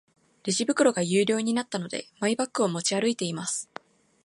レジ袋が有料になったので、マイバッグを持ち歩いています。